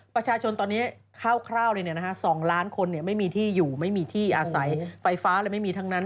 ประชาชนตอนนี้คร่าวเลย๒ล้านคนไม่มีที่อยู่ไม่มีที่อาศัยไฟฟ้าอะไรไม่มีทั้งนั้น